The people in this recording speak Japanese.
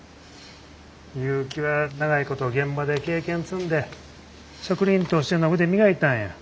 結城は長いこと現場で経験積んで職人としての腕磨いたんや。